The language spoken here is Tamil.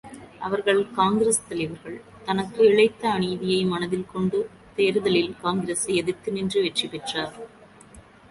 அவர்கள் காங்கிரஸ் தலைவர்கள் தனக்கு இழைத்த அநீதியை மனதில் கொண்டு தேர்தலில் காங்கிரசை எதிர்த்து நின்று வெற்றி பெற்றார்.